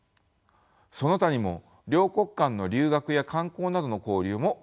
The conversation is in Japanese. その他にも両国間の留学や観光などの交流も活発です。